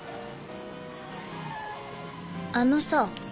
あのさ。